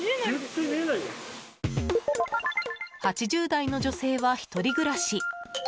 ８０代の女性は１人暮らし。